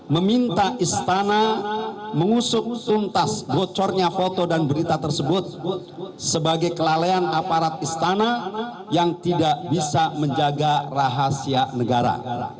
meminta istana mengusut tuntas bocornya foto dan berita tersebut sebagai kelalaian aparat istana yang tidak bisa menjaga rahasia negara